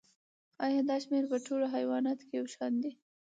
ایا دا شمیر په ټولو حیواناتو کې یو شان دی